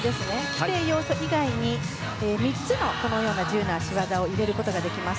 規定要素以外に３つの自由な脚技を入れることができます。